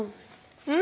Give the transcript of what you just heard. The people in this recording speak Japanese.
うん？